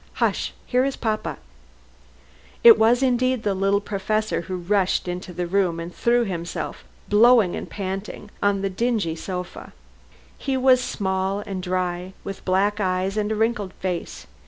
Hush! here is papa." It was indeed the little Professor, who rushed into the room and threw himself, blowing and panting, on the dingy sofa. He was small and dry, with black eyes and a wrinkled face.